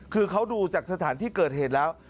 คือเขาดูจากสถานที่เกิดเหตุแล้ว